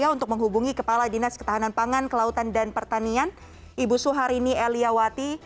untuk menghubungi kepala dinas ketahanan pangan kelautan dan pertanian ibu suharini eliawati